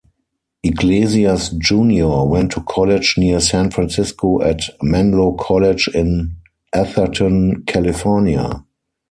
Iglesias Junior went to college near San Francisco at Menlo College in Atherton, California.